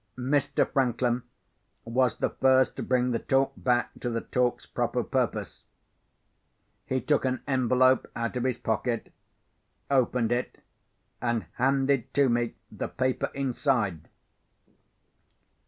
Mr. Franklin was the first to bring the talk back to the talk's proper purpose. He took an envelope out of his pocket, opened it, and handed to me the paper inside.